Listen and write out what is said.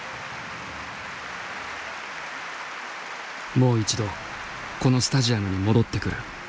もう一度このスタジアムに戻ってくる。